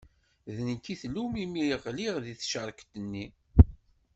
D nekk i tlum imi ɣliɣ di tcerket-nni.